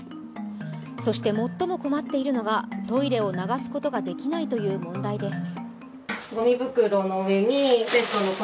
そして最も困っているのがトイレを流すことができないという問題です。